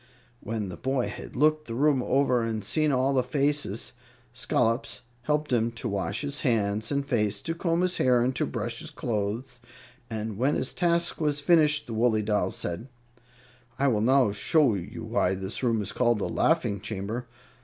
When the boy had looked the room over and seen all the faces, Scollops helped him to wash his hands and face, to comb his hair and to brush his clothes, and when this task was finished, the woolly doll said: "I will now show you why this room is called the laughing chamber.